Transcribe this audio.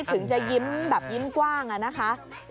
ถึงจะยิ้มแบบยิ้มกว้างอะนะคะ